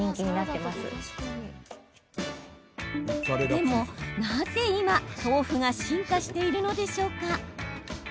でも、なぜ今、豆腐が進化しているのでしょうか？